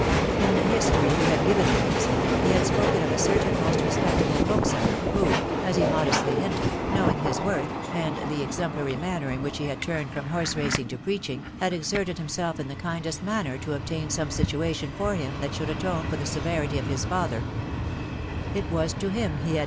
In the history he had given of himself, he had spoken of a certain most respectable bookseller, who (as he modestly ■ hinted), knowing his worth, and the exemplary manner in which he had turned from horse racing to preaching, had ex erted himself in ikie kindest manner to obtain some situation for him that should atone &r the severity of his father, ft was to him fee hmi.